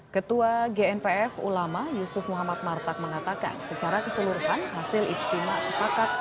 ketua gnpf ulama yusuf muhammad martak mengatakan secara keseluruhan hasil ijtima sepakat